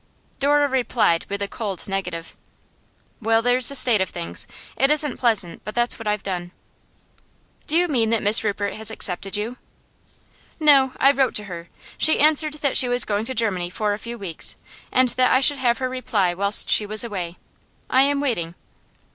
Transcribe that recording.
Dora replied with a cold negative. 'Well, there's the state of things. It isn't pleasant, but that's what I have done.' 'Do you mean that Miss Rupert has accepted you?' 'No. I wrote to her. She answered that she was going to Germany for a few weeks, and that I should have her reply whilst she was away. I am waiting.